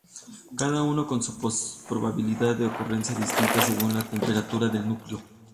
Cada una con una probabilidad de ocurrencia distinta según la temperatura del núcleo.